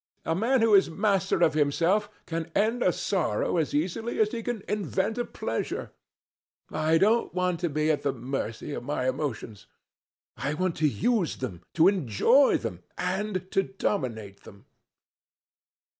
A man who is master of himself can end a sorrow as easily as he can invent a pleasure. I don't want to be at the mercy of my emotions. I want to use them, to enjoy them, and to dominate them."